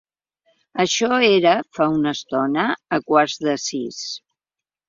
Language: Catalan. Això era fa una estona, a quarts de sis.